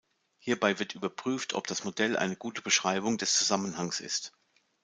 Hierbei wird überprüft, ob das Modell eine gute Beschreibung des Zusammenhangs ist.